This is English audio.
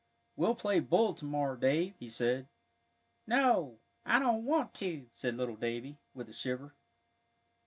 "We'll play bull to morrow, Dave," he said. "No, I don't want to," said little Davie, with a shiver.